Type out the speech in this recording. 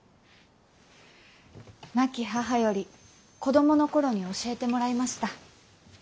亡き母より子どものころに教えてもらいました。